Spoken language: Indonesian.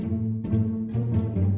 pindah dalem ya